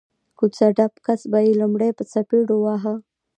کوڅه ډب کس به یې لومړی په څپېړو واهه